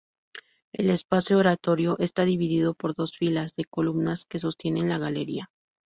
El espacio oratorio está dividido por dos filas de columnas que sostienen la galería.